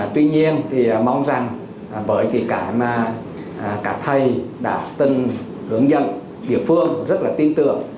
tuy nhiên mong rằng với cái mà cả thầy đã từng hướng dẫn địa phương rất là tin tưởng